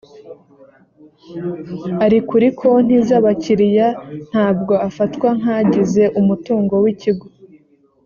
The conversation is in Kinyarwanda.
ari kuri konti z’abakiriya ntabwo afatwa nk’agize umutungo w’ikigo